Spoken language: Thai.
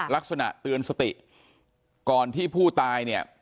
ลักษณะเตือนสติก่อนที่ผู้ตายเนี่ย